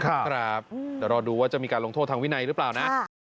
เดี๋ยวรอดูว่าจะมีการลงโทษทางวินัยหรือเปล่านะ